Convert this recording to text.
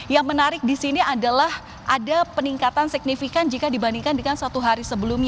yang menarik di sini adalah ada peningkatan signifikan jika dibandingkan dengan satu hari sebelumnya